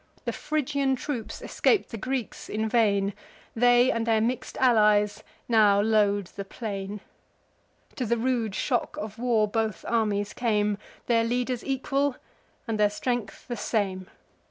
The Phrygian troops escap'd the Greeks in vain: They, and their mix'd allies, now load the plain. To the rude shock of war both armies came; Their leaders equal, and their strength the same.